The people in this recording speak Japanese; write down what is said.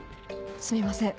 すみません。